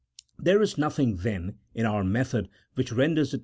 There is nothing, then, in our method which renders it.